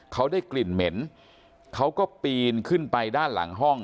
เขาได้กลิ่นเหม็นเขาก็ปีนขึ้นไปด้านหลังห้อง